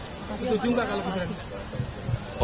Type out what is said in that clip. setuju nggak kalau gibran